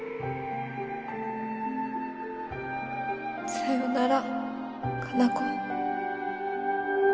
さよなら可南子。